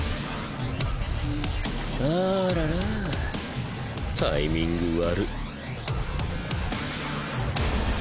あららタイミング悪。